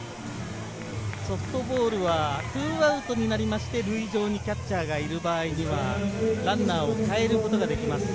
ソフトボールは２アウトになって塁上にキャッチャーがいる場合には、ランナーを代えることができます。